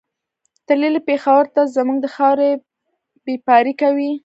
تللی پېښور ته زموږ د خاورې بېپاري کوي